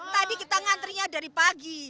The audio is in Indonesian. tadi kita ngantrinya dari pagi